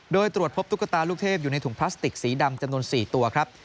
โดยตรวจพบตุ๊กตาลูกเทพอยู่ในถุงพลาสติกสีดำจำนวน๔ตัวครับ